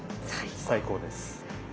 最高です。